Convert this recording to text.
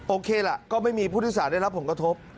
โอเคล่ะก็ไม่มีผู้โดยสารได้รับผลกระทบ